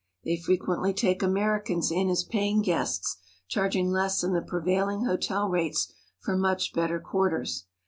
They frequently take Americans in as paying guests, charging less than the prevailing hotel rates for much better quarters.